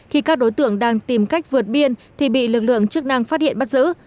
khi các đối tượng đang tìm cách vượt biên thì bị lực lượng chức năng phát hiện bắt giữ